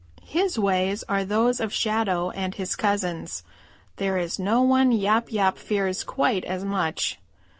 His ways are those of Shadow and his cousins. There is no one Yap Yap fears quite as much.